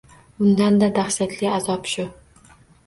Undan-da dahshatli azob shu.